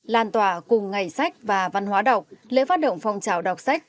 làn tòa cùng ngày sách và văn hóa đọc lễ phát động phong trào đọc sách